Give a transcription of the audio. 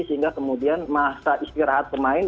sehingga kemudian masa istirahat pemain